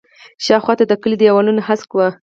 شاوخوا ته د کلي دیوالونه هسک وو.